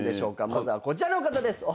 まずはこちらの方です。